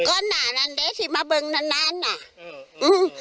ก็นั่นนั้นเดี๋ยวถึงมาเผ็นนั้นนั้นน่ะอ้าวหืม